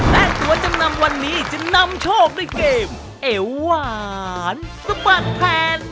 และตัวจำนำวันนี้จะนำโชคด้วยเกมเอวหวานสะบัดแผ่น